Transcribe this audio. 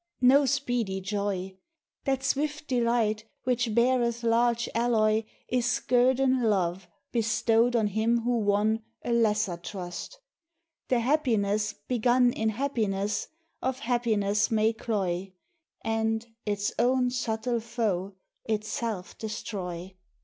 No speedy joy! That swift delight which beareth large alloy Is guerdon Love bestowed on him who won A lesser trust: the happiness begun In happiness, of happiness may cloy, And, its own subtle foe, itself destroy.